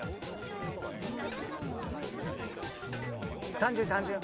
単純単純。